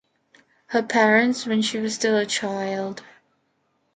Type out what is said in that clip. Her parents divorced when she was still a child.